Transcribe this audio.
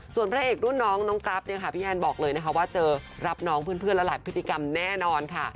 ส่วนพระเอกรุ่นน้องน้องกราฟเนี่ยค่ะพี่แอนบอกเลยนะคะว่าเจอรับน้องเพื่อนและหลายพฤติกรรมแน่นอนค่ะ